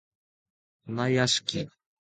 はなやしき